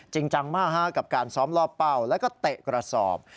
จริงจังมากกับการซ้อมรอบเป้าแล้วก็เตะกระสอบ